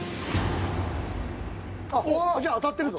じゃあ当たってるぞ。